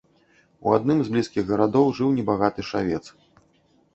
У адным з блізкіх гарадоў жыў небагаты шавец.